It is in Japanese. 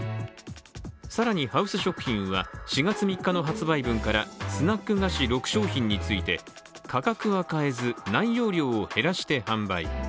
更にハウス食品は４月３日の販売分からスナック菓子６商品について価格は変えず、内容量を減らして販売。